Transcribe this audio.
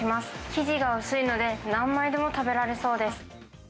生地が薄いので、何枚でも食べられそうです。